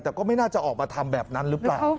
แต่ก็ไม่น่าจะออกมาทำแบบนั้นหรือเปล่า